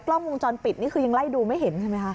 กล้องวงจรปิดนี่คือยังไล่ดูไม่เห็นใช่ไหมคะ